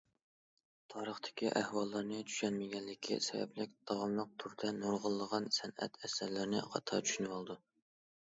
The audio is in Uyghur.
تارىختىكى ئەھۋاللارنى چۈشەنمىگەنلىكى سەۋەبلىك، داۋاملىق تۈردە نۇرغۇنلىغان سەنئەت ئەسەرلىرىنى خاتا چۈشىنىۋالىدۇ.